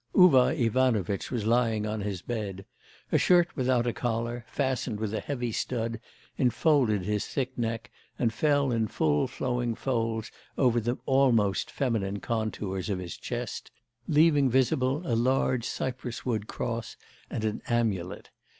Uvar Ivanovitch was lying on his bed. A shirt without a collar, fastened with a heavy stud enfolded his thick neck and fell in full flowing folds over the almost feminine contours of his chest, leaving visible a large cypress wood cross and an amulet.